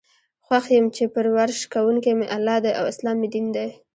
خوښ یم چې پر ورش کوونکی می الله دی او اسلام می دین دی.